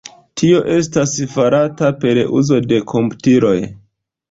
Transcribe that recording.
Tio estas farata per uzo de komputiloj.